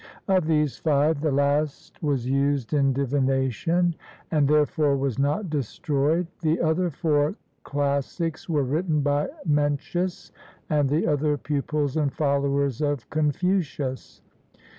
Of these five, the last was used in divination, and therefore was not destroyed. The other four classics were written by Mencius and the other pupils and followers of Confucius.